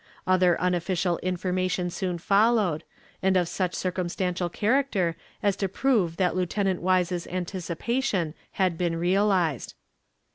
Other unofficial information soon followed, and of such circumstantial character as to prove that Lieutenant Wise's anticipation had been realized.